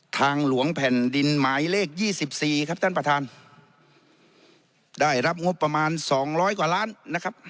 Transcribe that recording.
ทางหลวงแผ่นดินหมายเลขยี่สิบสี่ครับท่านประธานได้รับงบประมาณสองร้อยกว่าล้านนะครับ